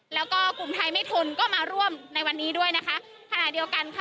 แล้วก็กลุ่มไทยไม่ทนก็มาร่วมในวันนี้ด้วยนะคะขณะเดียวกันค่ะ